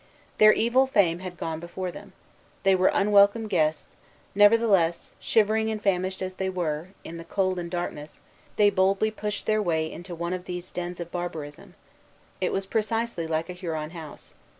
Their evil fame had gone before them. They were unwelcome guests; nevertheless, shivering and famished as they were, in the cold and darkness, they boldly pushed their way into one of these dens of barbarism. It was precisely like a Huron house.